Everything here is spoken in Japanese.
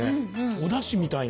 おダシみたいな。